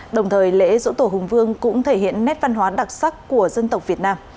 đồng thời lễ dỗ tổ hùng vương cũng thể hiện nét văn hóa đặc sắc của dân tộc việt nam